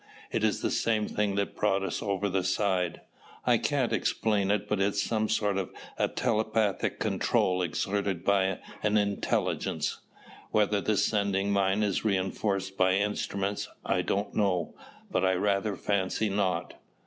It is the same thing that brought us over the side. I can't explain it but it is some sort of a telepathic control exerted by an intelligence. Whether the sending mind is reinforced by instruments I don't know, but I rather fancy not."